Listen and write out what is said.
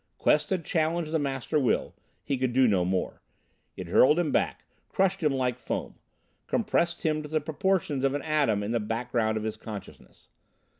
Quest had challenged the Master Will. He could do no more. It hurled him back, crushed him like foam, compressed him to the proportions of an atom in the background of his consciousness.